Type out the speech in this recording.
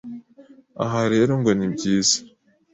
Aha rero ngo ni byiza